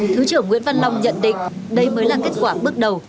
thứ trưởng nguyễn văn long nhận định đây mới là kết quả bước đầu